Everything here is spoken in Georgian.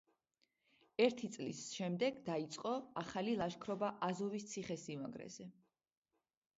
ერთი წლის შემდეგ დაიწყო ახალი ლაშქრობა აზოვის ციხესიმაგრეზე.